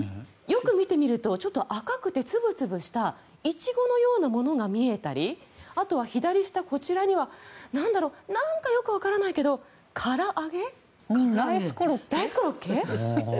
よく見てみると赤くて粒々したイチゴのようなものが見えたりあとは左下、こちらにはなんかよくわからないけどライスコロッケ？